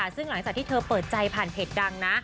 ซึ่งหลังจากที่เธอเปิดใจผ่านเพจดังนะ